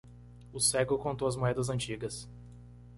O cego contou as moedas antigas.